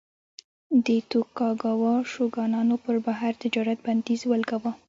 د توکوګاوا شوګانانو پر بهر تجارت بندیز ولګاوه.